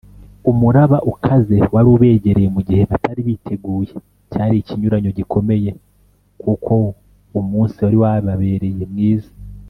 umuraba ukaze wari ubegereye, mu gihe batari biteguye cyari ikinyuranyo gikomeye, kuko umunsi wari wababereye mwiza;